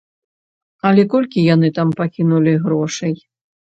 Але колькі яны там пакінулі грошай?